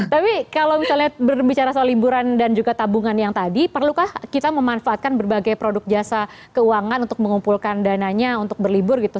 tapi kalau misalnya berbicara soal liburan dan juga tabungan yang tadi perlukah kita memanfaatkan berbagai produk jasa keuangan untuk mengumpulkan dananya untuk berlibur gitu